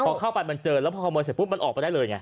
พอเข้าไปมันเจอแล้วพอขโมยเสร็จปุ๊บมันออกไปได้เลยไง